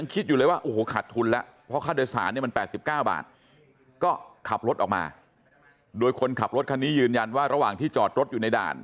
ก็ได้๑๙บาทก็ขับรถออกมาโดยคนขับรถคันนี้ยืนยันว่าระหว่างที่จอดรถอยู่ในด่าน